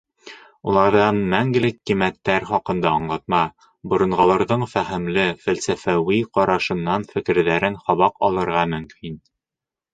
Уларҙан мәңгелек ҡиммәттәр хаҡында аңлатма, боронғоларҙың фәһемле, фәлсәфәүи ҡарашынан, фекерҙәренән һабаҡ алырға мөмкин.